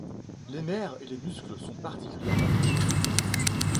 Les nerfs et les muscles sont particulièrement touchés.